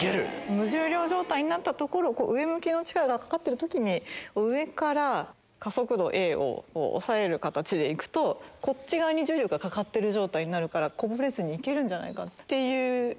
無重量状態になったところを上向きの力がかかってる時に上から加速度Ａをおさえる形で行くとこっち側に重力がかかってる状態になるからこぼれずに行けるんじゃないか。